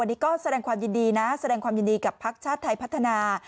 อันนี้ก็แสดงความยินดีนะแสดงความยินดีกับภักดิ์ชาติไทยพัฒนา